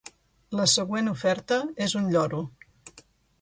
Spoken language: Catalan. La següent oferta és un lloro.